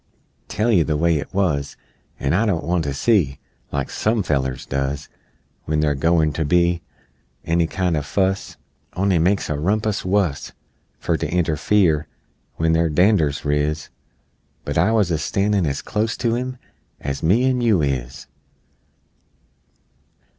Tell you the way it wuz An' I don't want to see, Like some fellers does, When they're goern to be Any kind o' fuss On'y makes a rumpus wuss Fer to interfere When their dander's riz But I wuz a standin' as clost to 'em As me an' you is!